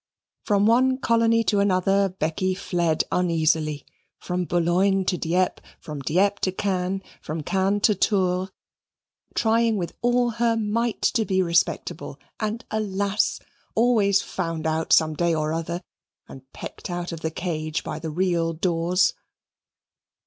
From one colony to another Becky fled uneasily. From Boulogne to Dieppe, from Dieppe to Caen, from Caen to Tours trying with all her might to be respectable, and alas! always found out some day or other and pecked out of the cage by the real daws.